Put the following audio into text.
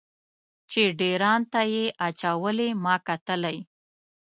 چې ډیر ان ته یې اچولې ما کتلی.